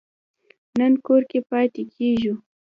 نن کور کې پاتې کیږو